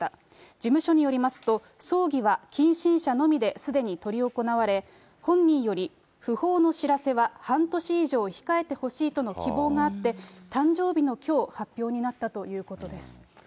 事務所によりますと、葬儀は近親者のみですでに執り行われ、本人より訃報の知らせは半年以上控えてほしいとの希望があって、誕生日のきょう、発表になったということです。